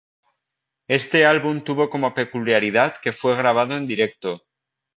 Este álbum tuvo como peculiaridad que fue grabado en directo.